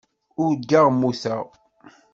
Urgaɣ mmuteɣ.